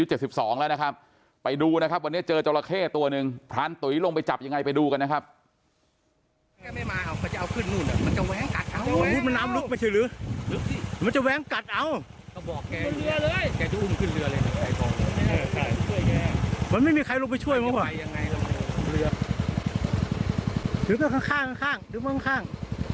ก็บอกแกจะอุ่มขึ้นเรือเลยมันไม่มีใครลงไปช่วยเหมือนกันหรือเปล่าถือไปข้าง